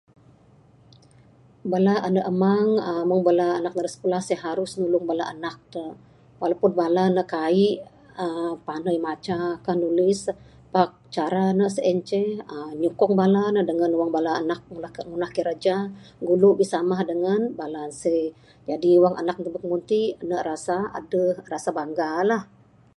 Bala ande amang uhh mung bala anak da sekulah harus nulung anak ne walaupun bala ne kaik uhh pandai maca ka nulis pak cara ne sien ceh uhh nyukong bala ne dengan wang bala anak ngundah kerja ngulu bisamah dengan bala seh. Jadi wang anak tebuk mung ti ne rasa adeh rasa bangga lah.